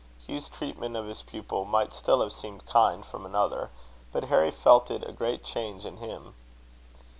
Hugh's treatment of his pupil might still have seemed kind from another, but Harry felt it a great change in him.